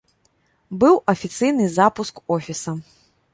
Быў афіцыйны запуск офіса.